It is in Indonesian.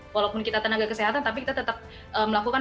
walaupun kita tenaga kesehatan tapi kita tetap melakukan